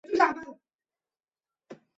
咸丰九年己未科三甲进士。